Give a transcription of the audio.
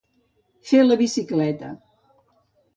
Fer la bicicleta.